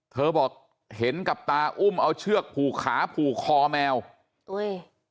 เธอบอกเห็นกับตาอุ้มเอาเชือกผูกขาผูกคอแมวอุ้ย